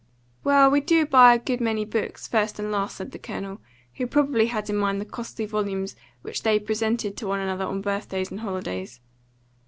"Well, we do buy a good many books, first and last," said the Colonel, who probably had in mind the costly volumes which they presented to one another on birthdays and holidays.